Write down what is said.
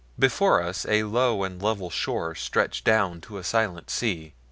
Before us a low and level shore stretched down to a silent sea.